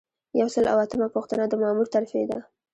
یو سل او اتمه پوښتنه د مامور ترفیع ده.